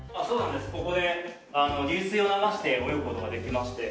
ここで流水を流して泳ぐ事ができまして。